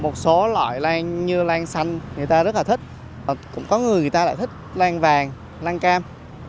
một số loại lan như lan xanh người ta rất là thích cũng có người người ta lại thích lan vàng lan cam